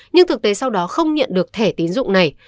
nhưng thực tế sau đó không nhận được thẻ tín dụng này